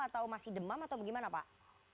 atau masih demam atau bagaimana pak